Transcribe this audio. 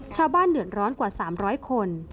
ชาวบ้านเดือดร้อนกว่า๓๐๐คน